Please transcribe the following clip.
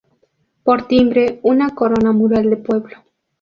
Por timbre una corona mural de pueblo.